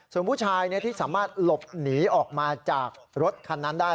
ส่วนผู้ชายที่สามารถหลบหนีออกมาจากรถคันนั้นได้